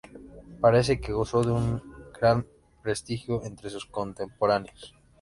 Parece que gozó de un gran prestigio entre sus contemporáneos.